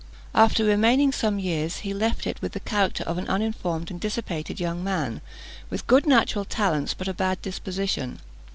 After remaining some years, he left it with the character of an uninformed and dissipated young man, with good natural talents but a bad disposition.